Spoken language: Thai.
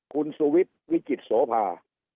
คุณสุวิทย์วิจิตโสภา